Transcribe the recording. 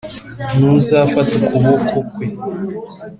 ntuzafata ukuboko kwe